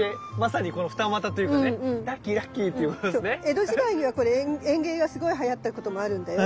江戸時代にはこれ園芸がすごいはやったこともあるんだよ。